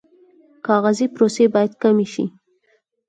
کاغذي پروسې باید کمې شي